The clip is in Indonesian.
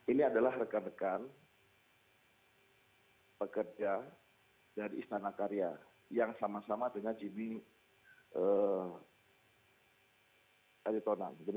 ini adalah rekan rekan pekerja dari istana karya yang sama sama dengan jimmy aritonan